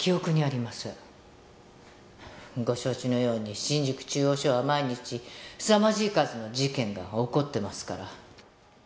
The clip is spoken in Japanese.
「ご承知のように新宿中央署は毎日すさまじい数の事件が起こってますから」